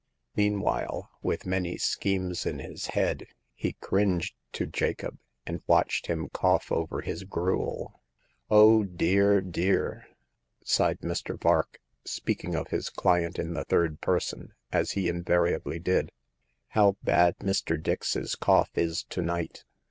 Mean while, with many schemes in his head, he cringed to Jacob, and watched him cough over his gruel. Oh, dear, dear !" sighed Mr. Vark, speaking of his client in the third person, as he invariably did, how bad Mr. Dix,*s cough is to night